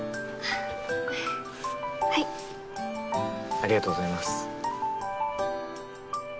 ありがとうございます。